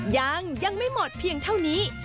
ยังยังไม่หมดเพียงเท่านี้